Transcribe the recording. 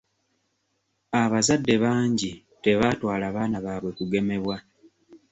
Abazadde bangi tebaatwala baana baabwe kugemebwa.